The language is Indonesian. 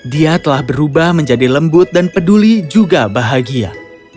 dia telah berubah menjadi lembut dan peduli juga bahagia